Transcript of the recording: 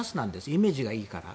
イメージがいいから。